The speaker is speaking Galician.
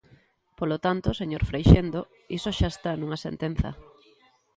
Polo tanto, señor Freixendo, iso xa está nunha sentenza.